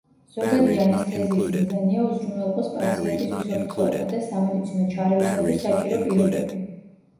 ზოგადი ანესთეზიის მიზანია უზრუნველყოს პაციენტის უსაფრთხოება და სამედიცინო ჩარევისათვის საჭირო პირობები.